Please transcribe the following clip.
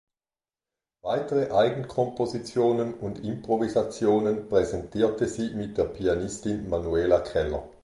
Weitere Eigenkompositionen und Improvisationen präsentierte sie mit der Pianistin Manuela Keller.